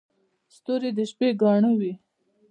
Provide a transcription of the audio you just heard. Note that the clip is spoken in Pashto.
• ستوري د شپې ګاڼه وي.